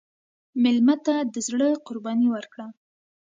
مېلمه ته د زړه قرباني ورکړه.